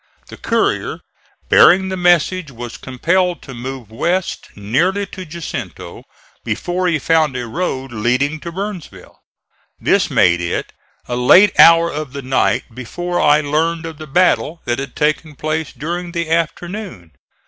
The courier bearing the message was compelled to move west nearly to Jacinto before he found a road leading to Burnsville. This made it a late hour of the night before I learned of the battle that had taken place during the afternoon.